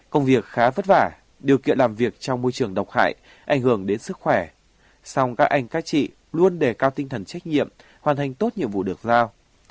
công việc khá vất vả điều kiện làm việc trong môi trường độc hại ảnh hưởng đến sức khỏe song các anh các chị luôn đề cao tinh thần trách nhiệm hoàn thành tốt nhiệm vụ được giao